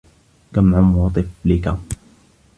كم عمر طفلك؟